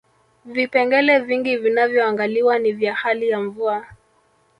vipengele vingi vinavyoangaliwa ni vya hali ya mvua